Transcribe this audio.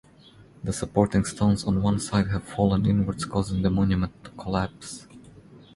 The supporting stones on one side have fallen inwards causing the monument to collapse.